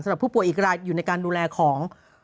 ผู้ป่วยอีกรายอยู่ในการดูแลของ